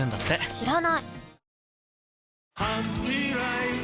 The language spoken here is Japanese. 知らない！